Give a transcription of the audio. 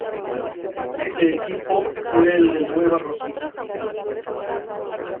Este equipo fue el de Nueva Rosita.